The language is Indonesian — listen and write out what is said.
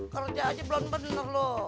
kerja aja belum bener loh